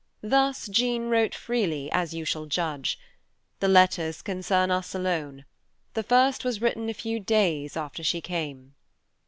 Thus Jean wrote freely, as you shall judge. The letters concern us alone. The first was written a few days after she came.